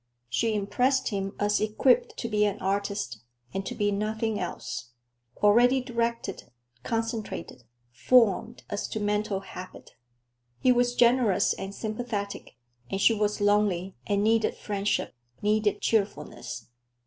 She impressed him as equipped to be an artist, and to be nothing else; already directed, concentrated, formed as to mental habit. He was generous and sympathetic, and she was lonely and needed friendship; needed cheerfulness.